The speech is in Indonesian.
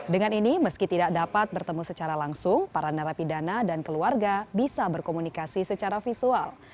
dengan ini meski tidak dapat bertemu secara langsung para narapidana dan keluarga bisa berkomunikasi secara visual